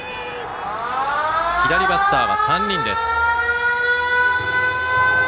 左バッターは３人です。